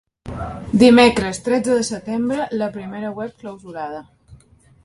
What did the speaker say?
Dimecres, tretze de setembre – La primera web clausurada.